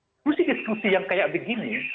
diskusi diskusi yang kayak begini